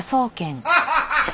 ハハハハ！